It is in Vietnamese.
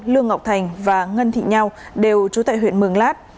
lương ngọc thành và ngân thị nhau đều chú tài huyện mường lát